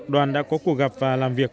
đoàn đã có cuộc gặp và làm việc